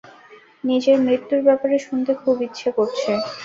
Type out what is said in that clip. নিজের মৃত্যুর ব্যাপারে শুনতে খুব ইচ্ছে করছে।